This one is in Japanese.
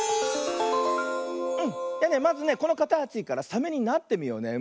うんまずねこのかたちからサメになってみようね。